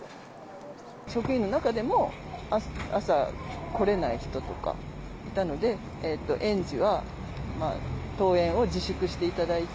職員の中でも、朝来れない人とかいたので、園児は登園を自粛していただいて。